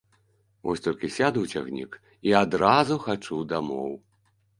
Вось толькі сяду ў цягнік і адразу хачу дамоў!